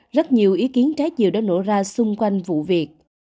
rất nhiều ý kiến trái chiều đã nổ ra xung quanh vụ việc